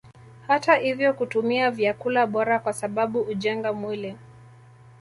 Hata ivyo kutumia vyakula bora kwasababu ujenga mwili